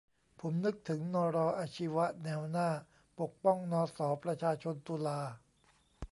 ผมนึกถึงนร.อาชีวะแนวหน้าปกป้องนศ.ประชาชนตุลา